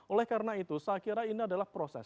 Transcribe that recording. oleh karena itu saya kira ini adalah proses